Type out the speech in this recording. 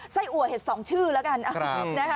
ไส้อัวเห็ด๒ชื่อแล้วกันนะคะ